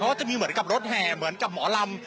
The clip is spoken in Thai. ก็จะมีเหมือนกับรถแห่เหมือนกับหมอลำ